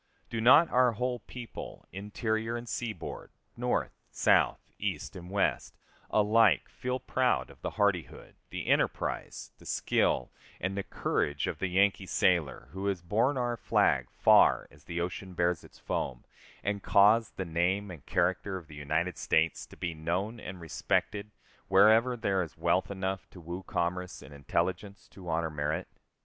Do not our whole people, interior and seaboard, North, South, East, and West, alike feel proud of the hardihood, the enterprise, the skill, and the courage of the Yankee sailor, who has borne our flag far as the ocean bears its foam, and caused the name and character of the United States to be known and respected wherever there is wealth enough to woo commerce, and intelligence to honor merit?